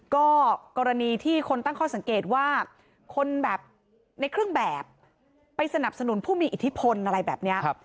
ก็กรณีที่คนตั้งข้อสังเกตว่าคนแบบในเครื่องแบบไปสนับสนุนผู้มีอิทธิพลอะไรแบบนี้